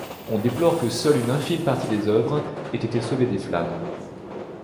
On déplore que seule une infime partie des œuvres ait été sauvée des flammes.